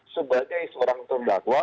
sebagai seorang pendakwa